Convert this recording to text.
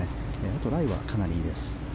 あと、ライはかなりいいです。